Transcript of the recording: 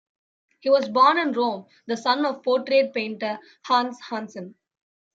He was born in Rome, the son of portrait painter Hans Hansen.